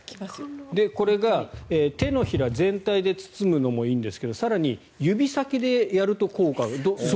これが手のひら全体で包むのもいいんですが更に、指先でやると効果があると。